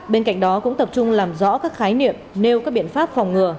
bên cạnh đó cũng tập trung làm rõ các khái niệm nêu các biện pháp phòng ngừa